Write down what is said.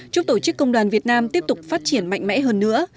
chúc tổ chức công đoàn việt nam tiếp tục phát triển mạnh mẽ hơn nữa